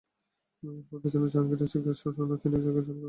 এরপর পেছনে জাহাঙ্গীরের চিৎকার শুনে তিনি দেখেন একজন তাঁকে গুলি করছে।